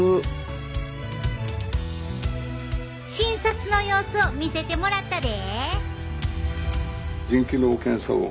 診察の様子を見せてもらったで。